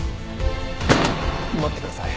待ってください。